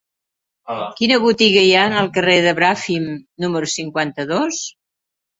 Quina botiga hi ha al carrer de Bràfim número cinquanta-dos?